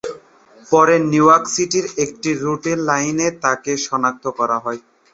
পরে New York সিটির একটি রুটির লাইনে তাকে শনাক্ত করা হয়।